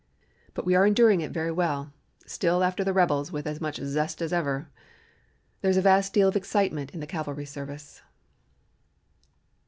But we are enduring it very well, still after the rebels with as much zest as ever. There is a vast deal of excitement in the cavalry service."